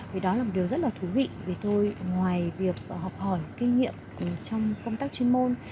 vì đó là một điều rất là thú vị vì tôi ngoài việc học hỏi kinh nghiệm trong công tác chuyên môn